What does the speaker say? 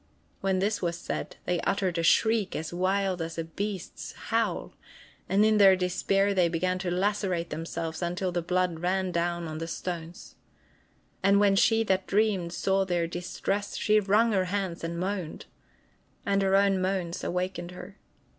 When this was said, they uttered a shriek as wild as a beast's howl, and in their despair they began to lacerate themselves until the blood ran down on the stones. And when she that dreamed saw their distress, she wrung her hands and moaned. And her own moans awakened her.